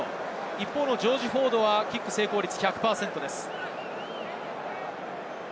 一方のジョージ・フォードはキック成功率１００％です。